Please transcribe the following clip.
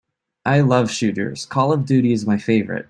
I love shooters, Call of Duty is my favorite.